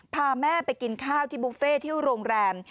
พาแม่ไปกินข้าวที่บุฟเฟ่ที่โรงแรม